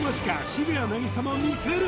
渋谷凪咲も見せる